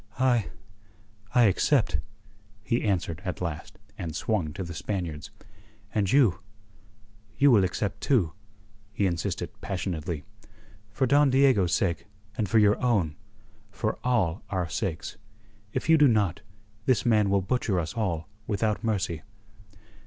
"I... I accept," he answered at last, and swung to the Spaniards. "And you you will accept too," he insisted passionately. "For Don Diego's sake and for your own for all our sakes. If you do not, this man will butcher us all without mercy."